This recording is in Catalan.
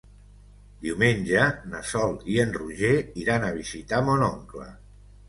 Diumenge na Sol i en Roger iran a visitar mon oncle.